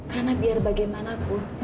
karena biar bagaimanapun